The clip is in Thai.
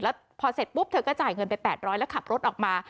แล้วพอเสร็จปุ๊บเธอก็จ่ายเงินไป๘๐๐แล้วขับรถออกมา